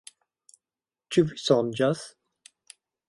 Ĉu vi sonĝas?